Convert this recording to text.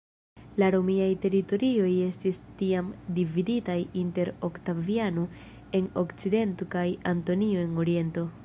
La Romiaj teritorioj estis tiam dividitaj inter Oktaviano en Okcidento kaj Antonio en Oriento.